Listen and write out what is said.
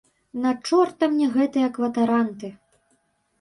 На чорта мне гэтыя кватаранты?